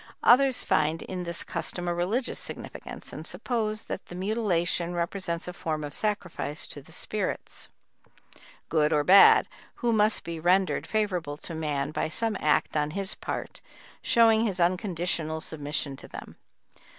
Others find in this custom a religious significance and suppose that the mutilation represents a form of sacrifice to the spirits, good or bad, who must be rendered favorable to man by some act on his part showing his unconditional submission to them.